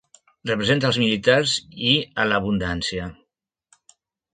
Representa als militars i a l'abundància.